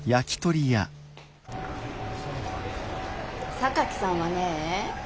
榊さんはねえ